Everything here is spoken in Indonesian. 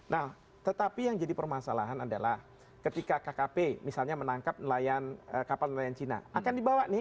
nah tetapi yang jadi permasalahan adalah ketika kkp misalnya menangkap kapal nelayan cina akan dibawa nih